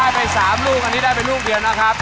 ได้ไป๓ลูกอันนี้ได้เป็นลูกเดียว